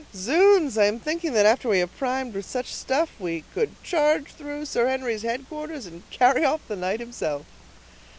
Zounds! I am thinking that after we have primed with such stuff, we could charge through Sir Henry's headquarters, and carry off the knight himself."